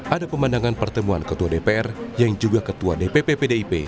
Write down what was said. ada pemandangan pertemuan ketua dpr yang juga ketua dpp pdip